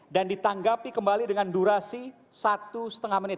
dan ditanggapi kembali dengan durasi satu lima menit